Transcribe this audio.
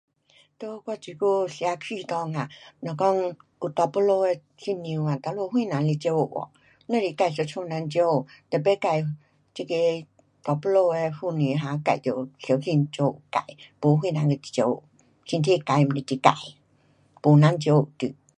在我这久社区内啊，若讲有大肚子的妇女啊哪有谁人来照顾哦，只是自一家人照顾，tapi 自这个大肚子的妇女 um 自得小心照自，没谁人跟你照顾，身体坏了是你自。没人照顾你。